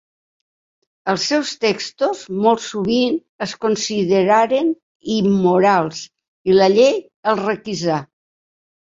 Els seus textos molt sovint es consideraren immorals i la llei els requisà.